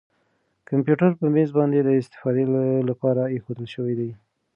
کمپیوټر په مېز باندې د استفادې لپاره اېښودل شوی دی.